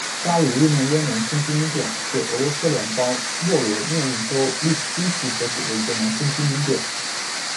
扎卢日诺耶农村居民点是俄罗斯联邦沃罗涅日州利斯基区所属的一个农村居民点。